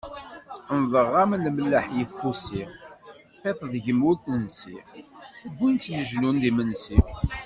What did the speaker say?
Nnḍeɣ-am lemlaḥ yeffusi, tiṭ deg-m ur tensi, wwin-tt leǧnun d imensi.